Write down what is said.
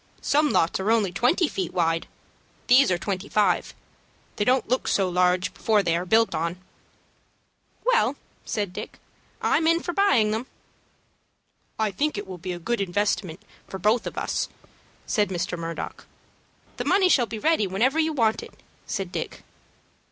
Some lots are only twenty feet wide. These are twenty five. They don't look so large before they are built on." "Well," said Dick, "I'm in for buying them." "I think it will be a good investment for both of us," said Mr. Murdock. "The money shall be ready whenever you want it," said Dick.